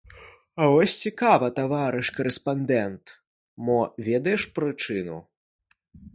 А вось цікава, таварыш карэспандэнт, мо ведаеш прычыну.